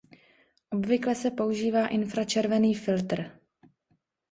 Obvykle se používá „infračervený filtr“.